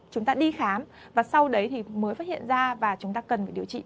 chúng ta đi khám và sau đấy thì mới phát hiện ra và chúng ta cần phải điều trị